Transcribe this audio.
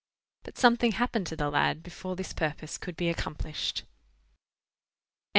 But something happened to the lad before this purpose could be accomplished.